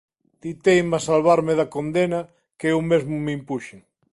Ti teimas salvarme da condena que eu mesmo me impuxen.